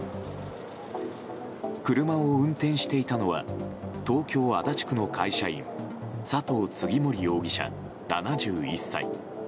車を運転していたのは東京・足立区の会社員佐藤次守容疑者、７１歳。